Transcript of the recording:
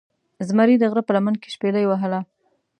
زمرې دغره په لمن کې شپیلۍ وهله